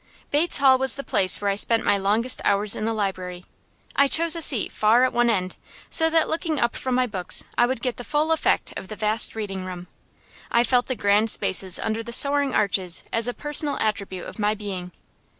Bates Hall was the place where I spent my longest hours in the library. I chose a seat far at one end, so that looking up from my books I would get the full effect of the vast reading room. I felt the grand spaces under the soaring arches as a personal attribute of my being.